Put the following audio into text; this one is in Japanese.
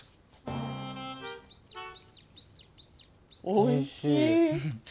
おいしい。